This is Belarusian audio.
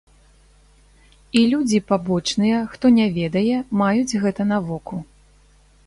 І людзі пабочныя, хто не ведае, маюць гэта на воку.